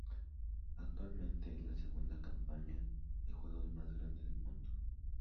Actualmente es la segunda compañía de juegos más grande del mundo.